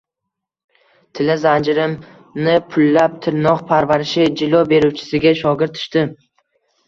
Tilla zanjirimnipullab, tirnoq parvarishi, jilo beruvchisiga shogird tushdim